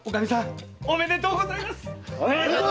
おめでとうございます！